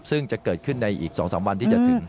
ซึ่งจะเกิดขึ้นในอีก๒๓วันที่จะถึง